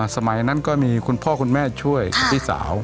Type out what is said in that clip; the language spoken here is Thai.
สมัยนั้นก็มีคุณพ่อคุณแม่ช่วยพี่สาว